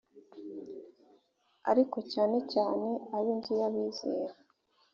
ariko cyane cyane ab inzu y abizera